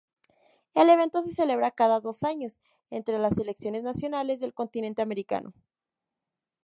El evento se celebra cada dos años entre las selecciones nacionales del Continente americano.